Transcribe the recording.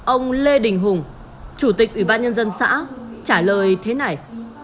ông lê đình hùng chủ tịch ủy ban nhân dân xã trả lời thế này